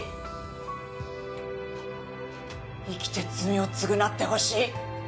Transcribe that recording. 生きて罪を償ってほしい。